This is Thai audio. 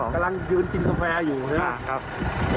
กำลังยืนกินคาแฟอยู่